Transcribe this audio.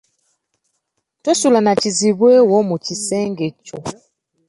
Tosula na kizibwe wo mu kisengekyo.